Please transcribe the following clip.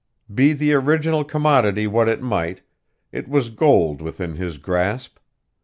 Be the original commodity what it might, it was gold within his grasp.